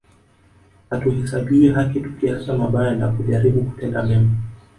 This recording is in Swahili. Hatuhesabiwi haki tukiacha mabaya na kujaribu kutenda mema